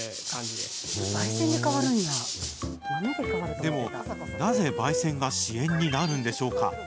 でも、なぜ、ばい煎が支援になるんでしょうか。